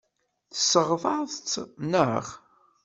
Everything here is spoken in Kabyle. Tesseɣtaḍ-tt, naɣ?